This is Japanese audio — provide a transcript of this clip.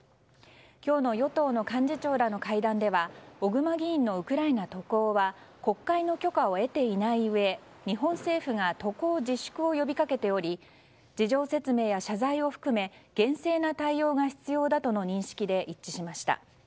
今日の与党の幹事長らの会談では小熊議員のウクライナ渡航は国会の許可を得ていないうえ日本政府が渡航自粛を呼び掛けており事情説明や謝罪を含め厳正な対応が必要だとの認識で一致しました。